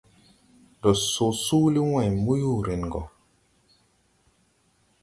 Ndo so suuli wãy mbuyurin go.